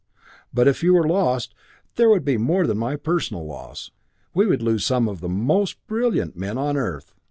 But if you were lost, there would be more than my personal loss. We would lose some of the most brilliant men on Earth.